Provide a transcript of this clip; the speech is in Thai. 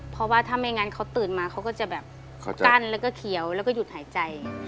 เพราะว่าถ้าไม่งั้นเขาตื่นมาเขาก็จะแบบกั้นแล้วก็เขียวแล้วก็หยุดหายใจ